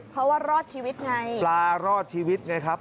เพราะว่ารอดชีวิตไงปลารอดชีวิตไงครับ